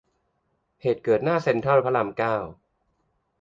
เหตุเกิดหน้าเซ็นทรัลพระรามเก้า